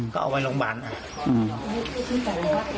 ก็เอาไปโรงพยาบาล